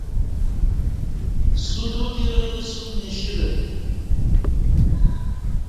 سوت اوتیلہ سوت نشیلہ